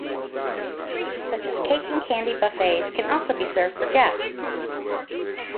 Treats such as cake and candy buffets can also be served for guests.